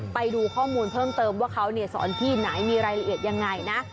ไปดูข้อมูลเพิ่มเติมว่าเขาสอนที่ไหนมีรายละเอียดยังไงนะ